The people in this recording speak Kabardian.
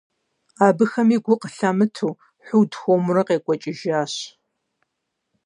Абыхэми гу къылъамытэу, Хьуд хуэмурэ къекӏуэкӏыжащ.